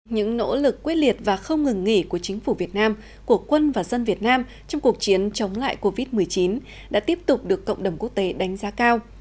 những nỗ lực quyết liệt và không ngừng nghỉ của chính phủ việt nam của quân và dân việt nam trong cuộc chiến chống lại covid một mươi chín đã tiếp tục được cộng đồng quốc tế đánh giá cao